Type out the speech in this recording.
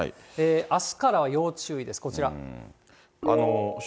あすから要注意です、こちら。